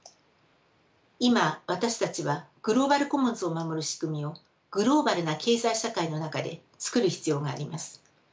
今私たちはグローバル・コモンズを守る仕組みをグローバルな経済社会の中で作る必要があります。